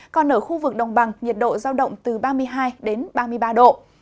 còn ở khu vực đồng bằng nhiệt độ giao động từ ba mươi hai đến ba mươi ba độ